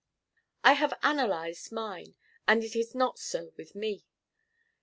I have analyzed mine, and it is not so with me.